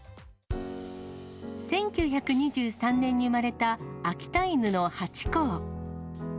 １９２３年に生まれた秋田犬のハチ公。